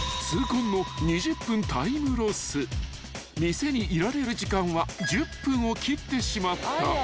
［店にいられる時間は１０分を切ってしまった］